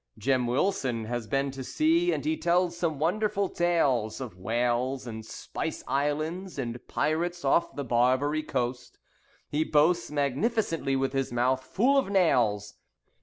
Jem Wilson has been to sea and he tells some wonderful tales Of whales, and spice islands, And pirates off the Barbary coast. He boasts magnificently, with his mouth full of nails.